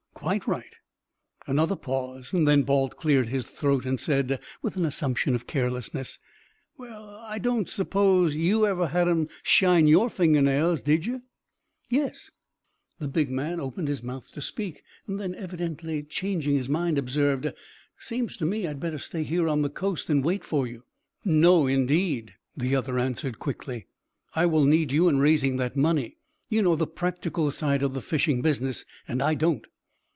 "Quite right!" Another pause, then Balt cleared his throat and said, with an assumption of carelessness: "Well, I don't suppose you ever had 'em shine your finger nails, did you?" "Yes." The big man opened his mouth to speak; then, evidently changing his mind, observed, "Seems to me I'd better stay here on the coast and wait for you." "No, indeed!" the other answered, quickly. "I will need you in raising that money. You know the practical side of the fishing business, and I don't."